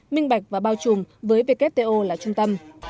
minh bạch và bao trùm với wto là trung tâm